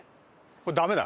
これダメだ。